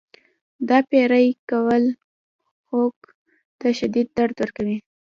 دا پرې کول خوک ته شدید درد ورکوي.